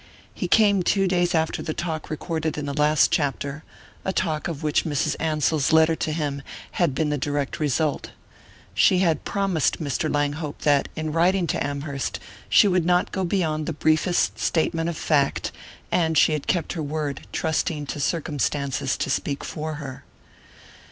He came two days after the talk recorded in the last chapter a talk of which Mrs. Ansell's letter to him had been the direct result. She had promised Mr. Langhope that, in writing to Amherst, she would not go beyond the briefest statement of fact; and she had kept her word, trusting to circumstances to speak for her.